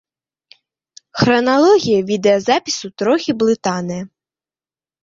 Храналогія відэазапісу трохі блытаная.